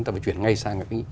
chúng ta phải chuyển ngay sang